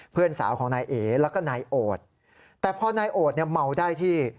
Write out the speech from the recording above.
เพื่อนสาวของนายเอแล้วก็นายโอดแต่พอนายโอดเนี่ยเมาได้ที่